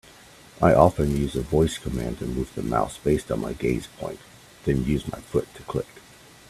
I often use a voice command to move the mouse based on my gaze point, then use my foot to click.